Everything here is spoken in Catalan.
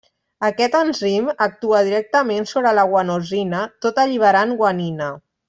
Aquest enzim actua directament sobre la guanosina tot alliberant guanina.